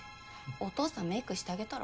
お父さんメイクしてあげたら？